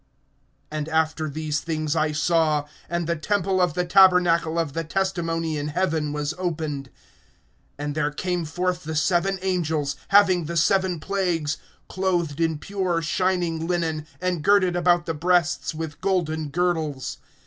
(5)And after these things I saw, and the temple of the tabernacle of the testimony in heaven was opened; (6)and there came forth the seven angels having the seven plagues, clothed in pure, shining linen, and girded about the breasts with golden girdles.